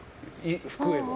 服への。